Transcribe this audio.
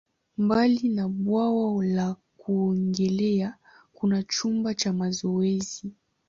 Mbali na bwawa la kuogelea, kuna chumba cha mazoezi.